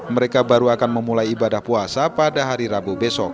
mereka baru akan memulai ibadah puasa pada hari rabu besok